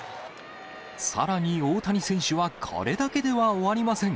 さらに、大谷選手はこれだけでは終わりません。